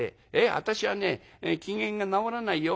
私はね機嫌が直らないよ。